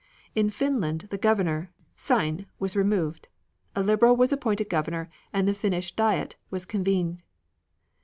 In Finland the Governor, Sein, was removed. A Liberal was appointed Governor and the Finnish Diet was convened.